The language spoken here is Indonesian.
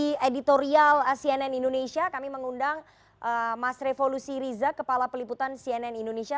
bagi editorial cnn indonesia kami mengundang mas revo lusi riza kepala peliputan cnn indonesia